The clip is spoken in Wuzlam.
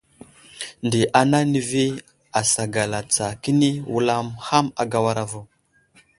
Nde ana nəvi asagala tsa kəni wulam ham agawara vo.